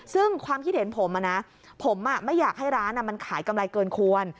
ซึ่งความคิดเห็นผมผมไม่อยากให้ร้านมันขายกำไรเกินควร